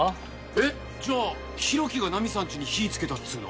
えっじゃあ浩喜がナミさんちに火つけたっつうの？